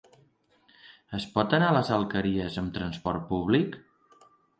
Es pot anar a les Alqueries amb transport públic?